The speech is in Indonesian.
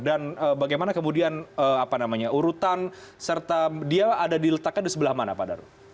dan bagaimana kemudian urutan serta dia ada diletakkan di sebelah mana pak daru